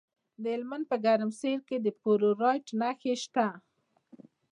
د هلمند په ګرمسیر کې د فلورایټ نښې شته.